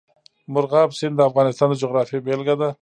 مورغاب سیند د افغانستان د جغرافیې بېلګه ده.